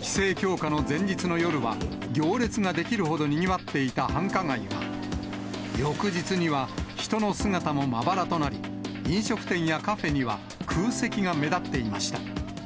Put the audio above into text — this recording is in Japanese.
規制強化の前日の夜は、行列が出来るほどにぎわっていた繁華街は、翌日には人の姿もまばらとなり、飲食店やカフェには、空席が目立っていました。